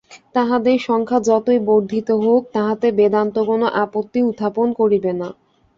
তাঁহাদের সংখ্যা যতই বর্ধিত হউক, তাহাতে বেদান্ত কোন আপত্তি উত্থাপন করিবে না।